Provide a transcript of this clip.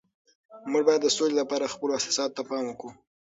موږ باید د سولي لپاره خپلو احساساتو ته پام وکړو.